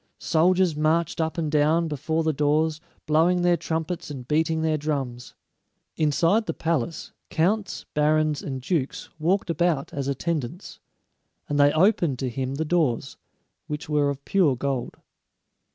Soldiers marched up and down before the doors, blowing their trumpets and beating their drums. Inside the palace, counts, barons, and dukes walked about as attendants, and they opened to him the doors, which were of pure gold.